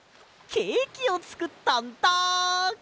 ケーキをつくったんだ！